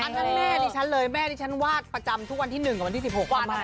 อันนั้นแม่ดิฉันเลยแม่ดิฉันวาดประจำทุกวันที่๑กับวันที่๑๖นะคะ